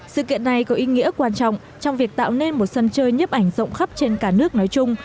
sự kiện này có ý nghĩa quan trọng trong việc tạo nên một sân chơi nhếp ảnh rộng khắp trên cả nước nói chung